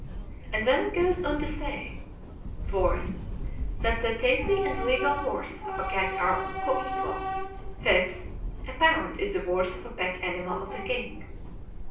And then it goes on to say: 4th. That the teithi and the legal worth of a cat are coequal. 5th. A pound is the worth of a pet animal of the king.